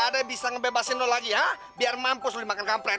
ada yang bisa ngebebasin lo lagi ya biar mampu dimakan kampret